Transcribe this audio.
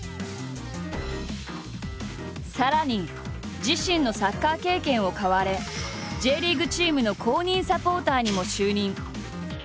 さらに自身のサッカー経験を買われＪリーグチームの公認サポーターにも就任。